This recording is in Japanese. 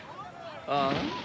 ああ？